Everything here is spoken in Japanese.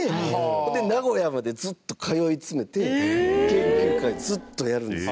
ほんで、名古屋までずっと通い詰めて研究会を、ずっとやるんです。